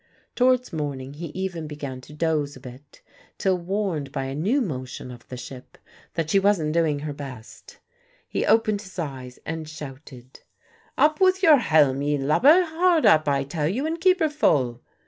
Towards morning he even began to doze a bit, till warned by a new motion of the ship that she wasn't doing her best. He opened his eyes and shouted "Up with your helm, ye lubber! Hard up, I tell ye, and keep her full!"